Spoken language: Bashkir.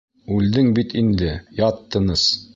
Үлдең бит инде, ят тыныс!